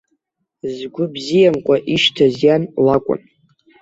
Згәы бзиамкәа ишьҭаз иан лакәын.